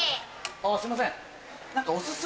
あぁすいません。